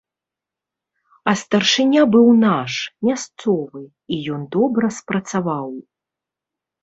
А старшыня быў наш, мясцовы, і ён добра спрацаваў.